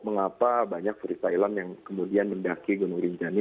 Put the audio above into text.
mengapa banyak turis thailand yang kemudian mendaki gunung rinjani